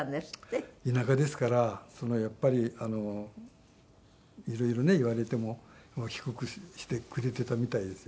田舎ですからやっぱり色々ね言われても低くしてくれていたみたいですよ